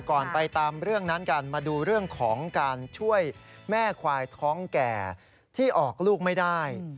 ไปตามเรื่องนั้นกันมาดูเรื่องของการช่วยแม่ควายท้องแก่ที่ออกลูกไม่ได้